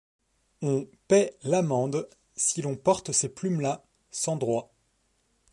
On paie l’amende si l’on porte ces plumes-là sans droit.